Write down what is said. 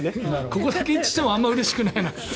ここだけ一致してもあまりうれしくないな。